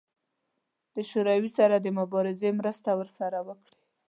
د شوروي سره د مبارزې مرستې ورسره وکړي.